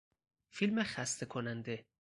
فیلم خسته کننده